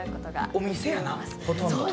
お店やな、ほとんど。